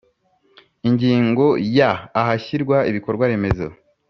Ingingo ya ahashyirwa ibikorwaremezo